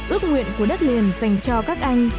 ước nguyện của đất liền dành cho các anh